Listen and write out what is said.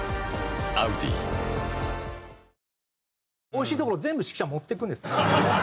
おいしいところは全部指揮者が持っていくんですよ。